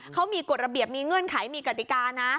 เขามีกฎระเบียบมีเงื่อนไขมีกติกานะ